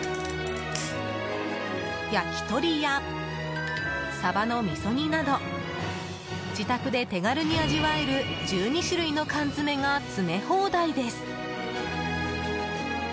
焼き鳥やサバのみそ煮など自宅で手軽に味わえる１２種類の缶詰が詰め放題です。